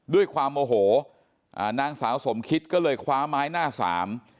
ด้วยความโมโหอ่านางสาวสมคิดก็เลยคว้าไม้หน้าสาม